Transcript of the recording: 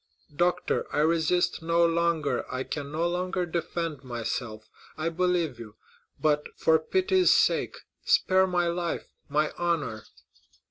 "Doctor, I resist no longer—I can no longer defend myself—I believe you; but, for pity's sake, spare my life, my honor!"